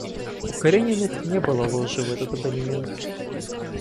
У Карениных не было ложи в этот абонемент.